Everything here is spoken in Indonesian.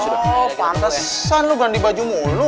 oh pantesan lo ganti baju mulu